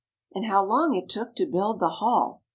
And how long it took to build the hall?